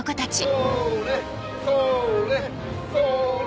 それそれ！